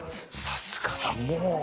さすがだもう！